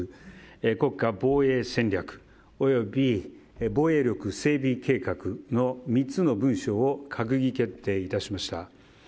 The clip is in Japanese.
国家防衛戦略、および防衛力整備計画の３つの文書を閣議決定いたしました。